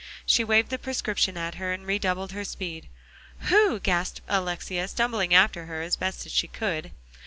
She waved the prescription at her, and redoubled her speed. "Who?" gasped Alexia, stumbling after as best she could.